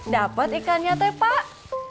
dapet ikannya teh pak